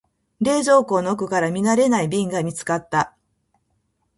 冷蔵庫の奥から見慣れない瓶が見つかった。